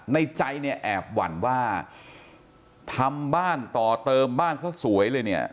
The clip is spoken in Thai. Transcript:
ในใจเนี่ยแอบหวั่นว่าทำบ้านต่อเติมบ้านซะสวยเลยเนี่ย